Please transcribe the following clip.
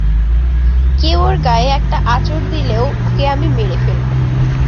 কেউ ওর গায়ে একটা আঁচড় দিলেও ওকে আমি মেরে ফেলব!